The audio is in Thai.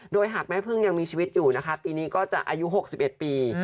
โดยหากแม่พึ่งยังมีชีวิตอยู่นะคะปีนี้ก็จะอายุ๖๑ปี